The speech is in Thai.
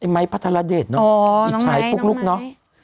ไอ้ไม้พัทราเดชเนอะอ๋อน้องไม้อิจฉาฟลุกลุกเนอะ